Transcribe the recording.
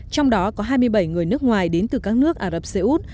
trong đó có hai mươi bảy người nước ngoài đến từ các nước ả rập xê út